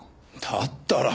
だったら。